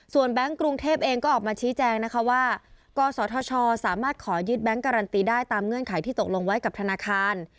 แบงค์กรุงเทพเองก็ออกมาชี้แจงนะคะว่ากศธชสามารถขอยึดแบงค์การันตีได้ตามเงื่อนไขที่ตกลงไว้กับธนาคาร